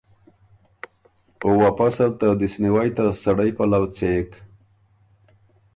او واپس ال ته دِست نیوئ ته سړئ پلؤ څېک۔